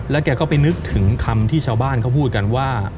แกก็ไปนึกถึงคำที่ชาวบ้านเขาพูดกันว่า